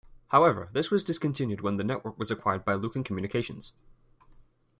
However, this was discontinued when the network was acquired by Luken Communications.